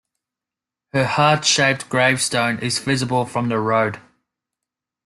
Her heart-shaped gravestone is visible from the road.